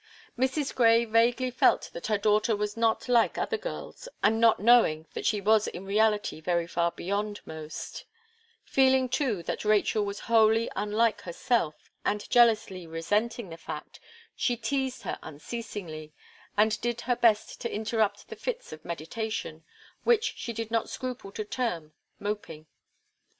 Mrs. Gray vaguely felt that her daughter was not like other girls, and not knowing that she was in reality very far beyond most; feeling, too, that Rachel was wholly unlike herself, and jealously resenting the fact, she teased her unceasingly, and did her best to interrupt the fits of meditation, which she did not scruple to term "moping."